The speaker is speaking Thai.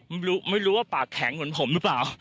ไม่รู้ว่าปากแข็งเหมือนผมหรือเปล่า